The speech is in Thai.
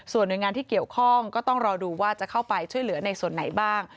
หน่วยงานที่เกี่ยวข้องก็ต้องรอดูว่าจะเข้าไปช่วยเหลือในส่วนไหนบ้าง